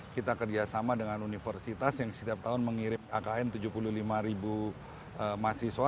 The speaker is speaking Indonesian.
kita kerjasama dengan universitas yang setiap tahun mengirim akn tujuh puluh lima ribu mahasiswa